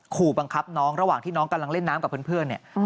ขู่บังคับน้องระหว่างที่น้องกำลังเล่นน้ำกับเพื่อนเนี่ย